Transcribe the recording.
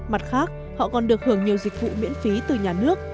mặt khác họ còn được hưởng nhiều dịch vụ miễn phí từ nhà nước